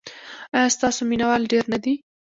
ایا ستاسو مینه وال ډیر نه دي؟